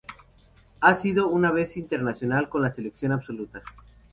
Ha sido una vez internacional con la selección absoluta